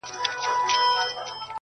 • اعلان یې کړی پر ټوله ښار دی -